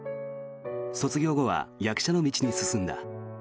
卒業後は役者の道に進んだ。